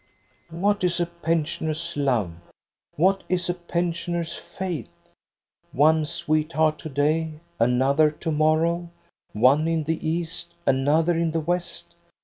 " What is a pensioner's love, what is a pensioner's faith? — one sweetheart to day, another to morrow, one in the east, another in the west.